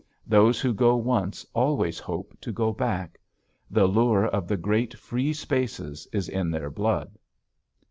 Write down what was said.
Those who go once always hope to go back. The lure of the great free spaces is in their blood.